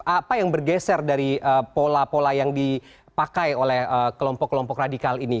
apa yang bergeser dari pola pola yang dipakai oleh kelompok kelompok radikal ini